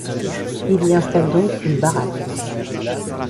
Il y installe donc une baraque.